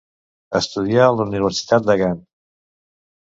Estudià a la Universitat de Gant.